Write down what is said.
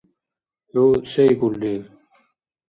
ХӀу сейкӀулри?